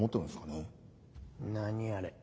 何あれ。